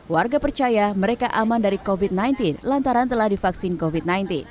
warga percaya mereka aman dari covid sembilan belas lantaran telah divaksin covid sembilan belas